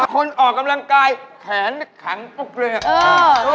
คนออกกำลังกายแขนโดดเราะภูมิ